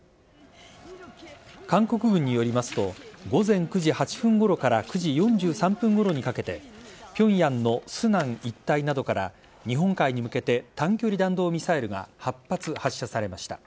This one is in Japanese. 韓国軍によりますと午前９時８分ごろから９時４３分ごろにかけて平壌のスナン一帯などから日本海に向けて短距離弾道ミサイルが８発、発射されました。